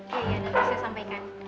ya ya nanti saya sampaikan